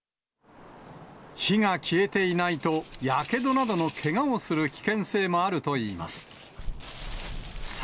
火が消えていないと、やけどなどのけがをする危険性もあるといいます。